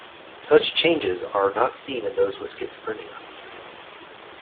Such changes are not seen in those with schizophrenia.